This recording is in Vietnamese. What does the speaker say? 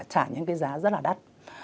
họ sẽ phải trả những cái giá rất là đắt